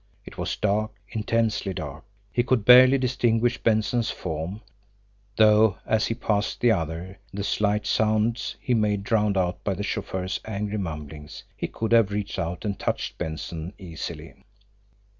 It was dark, intensely dark. He could barely distinguish Benson's form, though, as he passed the other, the slight sounds he made drowned out by the chauffeur's angry mumblings, he could have reached out and touched Benson easily.